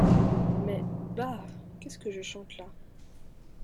Mais, bah! qu’est-ce que je chante là?